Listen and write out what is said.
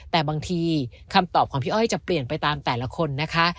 แต่บางทีคำตอบของพี่อ้อยจะเปลี่ยนไปตามแต่ละคนนะคะ